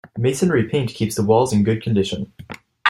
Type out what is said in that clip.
Masonry paint keeps the walls in good condition.